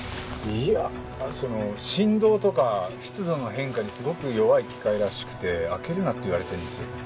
いや振動とか湿度の変化にすごく弱い機械らしくて開けるなって言われてるんですよね。